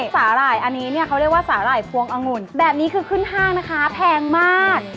สาหร่ายอันนี้เนี่ยเขาเรียกว่าสาหร่ายพวงองุ่นแบบนี้คือขึ้นห้างนะคะแพงมาก